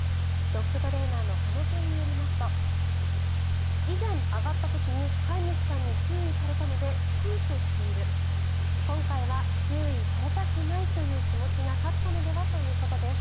ドッグトレーナーの鹿野さんによりますと以前上がった時に飼い主さんに注意されたので躊躇している今回は注意されたくないという気持ちが勝ったのではということです。